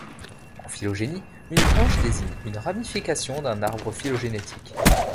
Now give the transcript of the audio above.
En phylogénie, une branche désigne une ramification d'un arbre phylogénétique.